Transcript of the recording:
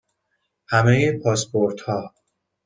همه پاسپورت ها